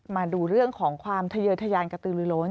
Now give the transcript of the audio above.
มาดูเรื่องของความทะเยอทยานกระตือลือล้น